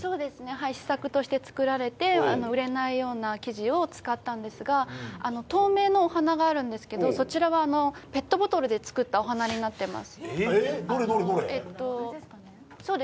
試作として作られて売れないような生地を使ったんですが透明のお花があるんですけど、そちらはペットボトルで作ったお花になっています。